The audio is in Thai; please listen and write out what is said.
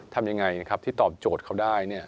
ทำอย่างไรที่ตอบโจทย์เขาได้